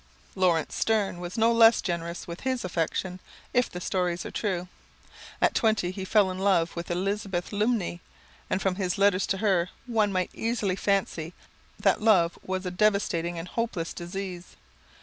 Laurence Sterne was no less generous with his affection, if the stories are true. At twenty, he fell in love with Elizabeth Lumley, and from his letters to her, one might easily fancy that love was a devastating and hopeless disease.